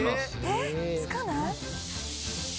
「えっつかない？」